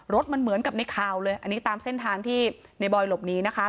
รถมันเหมือนกับในข่าวเลยอันนี้ตามเส้นทางที่ในบอยหลบหนีนะคะ